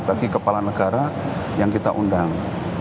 bagi kepala negara yang kita undang